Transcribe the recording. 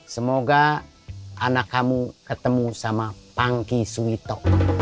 semoga anak kamu ketemu sama pangki suito